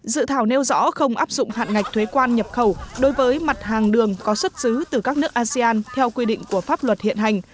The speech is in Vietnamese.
dự thảo nêu rõ không áp dụng hạn ngạch thuế quan nhập khẩu đối với mặt hàng đường có xuất xứ từ các nước asean theo quy định của pháp luật hiện hành